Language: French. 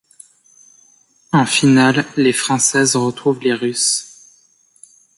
En finale, les Françaises retrouvent les Russes.